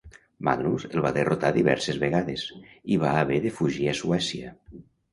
Magnus el va derrotar diverses vegades, i va haver de fugir a Suècia.